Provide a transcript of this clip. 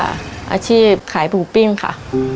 อาชีพขายหมูปิ้งค่ะ